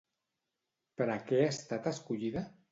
Per a què ha estat escollida?